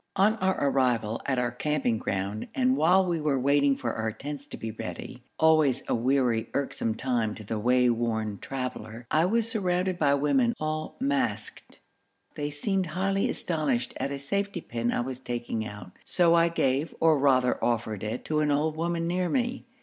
On our arrival at our camping ground and while we were waiting for our tents to be ready, always a weary, irksome time to the wayworn traveller, I was surrounded by women all masked. They seemed highly astonished at a safety pin I was taking out, so I gave, or rather offered it, to an old woman near me.